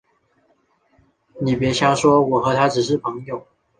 你别瞎说，我和他只是朋友